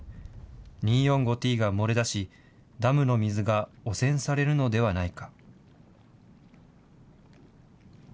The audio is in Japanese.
２，４，５ーＴが漏れ出し、ダムの水が汚染されるのではないか。